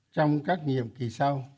trong các nghiệp kỳ sau